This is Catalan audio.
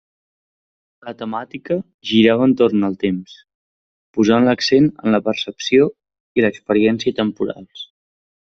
La temàtica girava entorn del temps, posant l'accent en la percepció i l'experiència temporals.